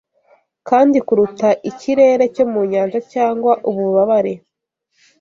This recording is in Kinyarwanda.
Kandi kuruta ikirere cyo mu Nyanja cyangwa ububabare